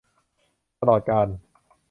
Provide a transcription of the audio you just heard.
ตลอดกาล